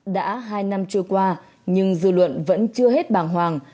đã hai năm trôi qua nhưng dư luận vẫn chưa hết bàng hoàng